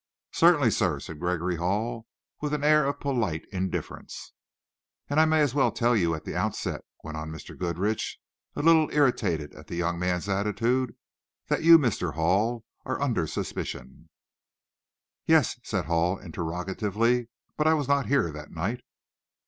"Certainly, sir," said Gregory Hall, with an air of polite indifference. "And I may as well tell you at the outset," went on Mr. Goodrich, a little irritated at the young man's attitude, "that you, Mr. Hall, are under suspicion." "Yes?" said Hall interrogatively. "But I was not here that night."